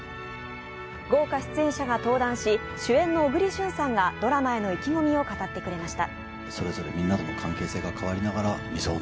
豪華出演者が登壇し、主演の小栗旬さんがドラマへの意気込みを語ってくれました。